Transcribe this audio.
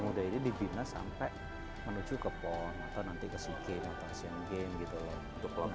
untuk pembinaan eko